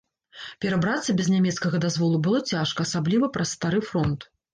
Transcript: Перабрацца без нямецкага дазволу было цяжка, асабліва праз стары фронт.